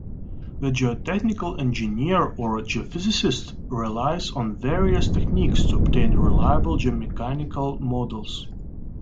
The geotechnical engineer or geophysicist relies on various techniques to obtain reliable geomechanical models.